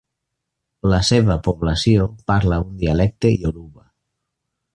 La seva població parla un dialecte ioruba.